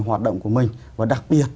hoạt động của mình và đặc biệt